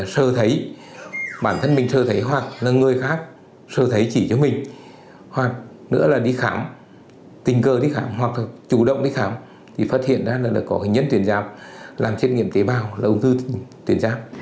sơ thấy bản thân mình sơ thấy hoặc là người khác sơ thấy chỉ cho mình hoặc nữa là đi khám tình cờ đi khám hoặc là chủ động đi khám thì phát hiện ra là có hình nhân tuyệt giáp làm trên nghiệm tế bào là ung thư tuyệt giáp